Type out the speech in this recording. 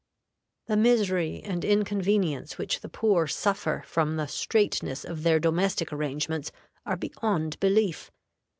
The misery and inconvenience which the poor suffer from the straitness of their domestic arrangements are beyond belief.